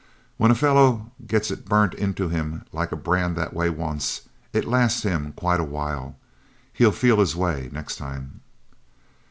When a fellow gets it burnt into him like a brand that way once, it lasts him quite a while. He 'll feel his way next time."